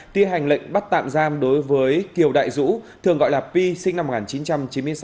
thi hành lệnh bắt tạm giam đối với kiều đại dũ thường gọi là pi sinh năm một nghìn chín trăm chín mươi sáu